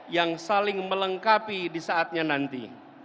yang saling melengkapi di saatnya nanti